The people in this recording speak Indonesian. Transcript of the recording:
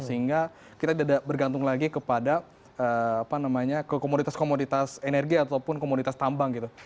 sehingga kita tidak bergantung lagi kepada komoditas komoditas energi ataupun komoditas tambang gitu